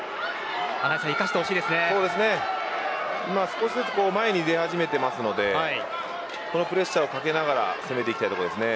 少しずつ前に出始めているのでプレッシャーをかけながら攻めてほしいです。